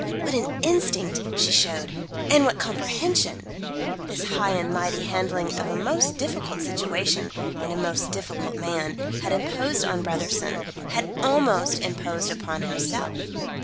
What an instinct she showed and what comprehension! This high and mighty handling of a most difficult situation and a most difficult man, had imposed on Brotherson, had almost imposed upon himself.